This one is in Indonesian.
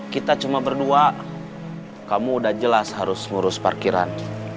kita cuma berdua kamu udah jelas harus ngurus parkiran